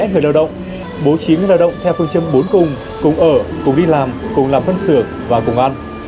người lao động bố trí người lao động theo phương châm bốn cùng cùng ở cùng đi làm cùng làm phân xưởng và cùng ăn